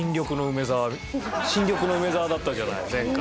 新緑の梅澤だったじゃない前回。